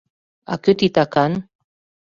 А кӧ титакан?